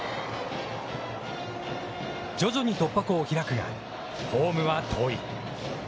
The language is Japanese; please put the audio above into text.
徐々に突破口を開くが、ホームは遠い。